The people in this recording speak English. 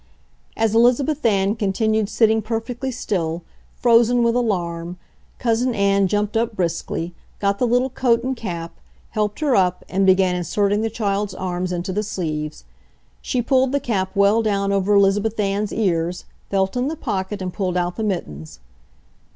As Elizabeth Ann continued sitting perfectly still, frozen with alarm, Cousin Ann jumped up briskly, got the little coat and cap, helped her up, and began inserting the child's arms into the sleeves. She pulled the cap well down over Elizabeth Ann's ears, felt in the pocket and pulled out the mittens.